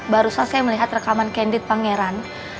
barusan saya melihat rekaman candid pangeran